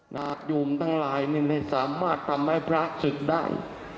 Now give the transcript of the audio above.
นักโยมตั้งหลายนี่เลยสามารถทำให้พระศึกได้